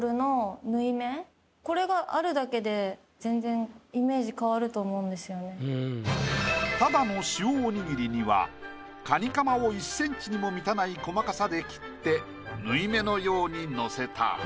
全然ただの塩おにぎりにはカニカマを１センチにも満たない細かさで切って縫い目のようにのせた。